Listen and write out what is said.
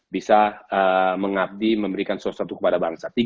bisa mengabdi memberikan sesuatu kepada bangsa